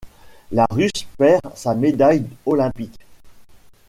La Russe perd sa médaille olympique.